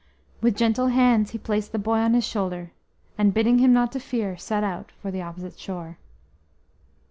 With gentle hands he placed the boy on his shoulder, and bidding him not to fear, set out for the opposite shore.